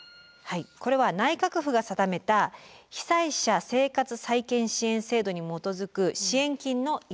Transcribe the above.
これは内閣府が定めた被災者生活再建支援制度に基づく支援金の一覧です。